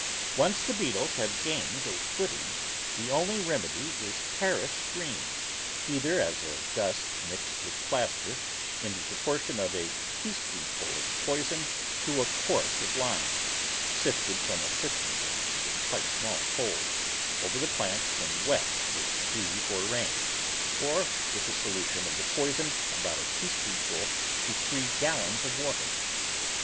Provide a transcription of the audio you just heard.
Once the beetles have gained a footing, the only remedy is Paris green, either as a dust, mixed with plaster in the proportion of a teaspoonful of the ROOT VEGETABLES poison to a quart of lime, sifted from a sifting box with quite small holes, over the plants when wet with dew or rain, or with a solution of the poison — about a teaspoonful to three gallons of water.